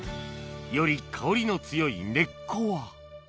より香りの強い根っこは？